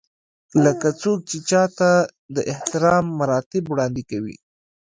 لکه څوک چې چاته د احترام مراتب وړاندې کوي.